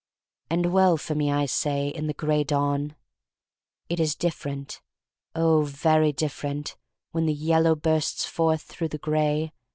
And well for me, I say, — in the Gray Dawn. It is different — oh, very different — when the yellow bursts through the gray.